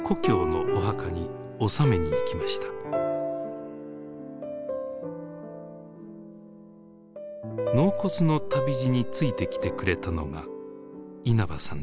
納骨の旅路についてきてくれたのが稲葉さんでした。